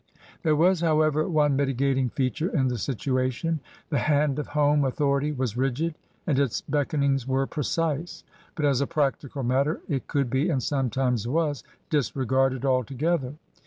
There was, however, one mitigating feature in the situation. The hand of home authority was rigid and its beckonings were precise; but as a practical matter it could be, and sometimes was, disregarded altogether.